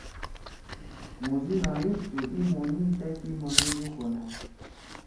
موزی نایور تُھو ای مونیِن تأ کی منُودُو کونأ